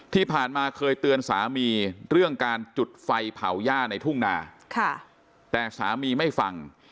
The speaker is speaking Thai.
ที่ผ่านมาเคยเตือนสามีเรื่องการจุดไฟเผาย่าในทุ่งนาแต่สามีไม่ฟัง